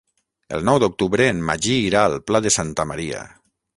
El nou d'octubre en Magí irà al Pla de Santa Maria.